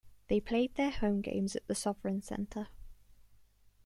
They played their home games at the Sovereign Center.